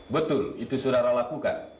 betul itu saudara lakukan